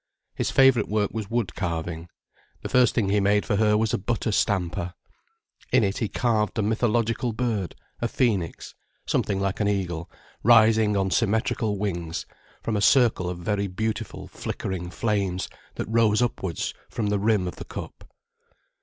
His favourite work was wood carving. The first thing he made for her was a butter stamper. In it he carved a mythological bird, a phoenix, something like an eagle, rising on symmetrical wings, from a circle of very beautiful flickering flames that rose upwards from the rim of the cup.